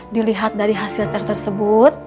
dilihat dari hasil tersebut